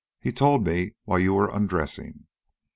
"He told me while you were undressing.